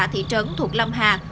các xã thị trấn thuộc lâm hạc